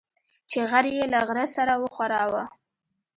چې غر يې له غره سره وښوراوه.